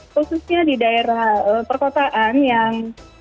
khususnya di daerah perkotaan yang